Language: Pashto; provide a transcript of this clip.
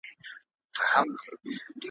دکلو تږي درې به ,